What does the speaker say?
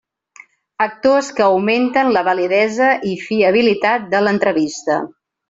Factors que augmenten la validesa i fiabilitat de l'entrevista.